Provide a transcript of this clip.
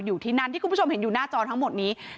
อยู่ที่นั่นที่คุณผู้ชมเห็นอยู่หน้าจอทั้งหมดนี้